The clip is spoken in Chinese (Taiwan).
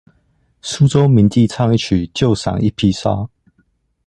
蘇州名妓唱一曲就賞一匹紗